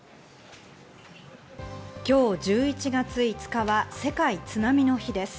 今日１１月５日は世界津波の日です。